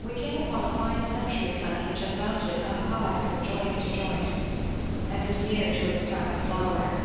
We came upon a fine century plant which had mounted up high from joint to joint, and was near to its time of flowering.